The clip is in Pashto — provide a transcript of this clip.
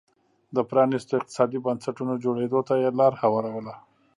د پرانیستو اقتصادي بنسټونو جوړېدو ته یې لار هواروله